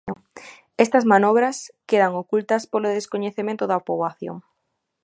Estas manobras quedan ocultas polo descoñecemento da poboación.